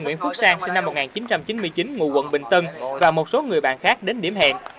nguyễn phước sang sinh năm một nghìn chín trăm chín mươi chín ngụ quận bình tân và một số người bạn khác đến điểm hẹn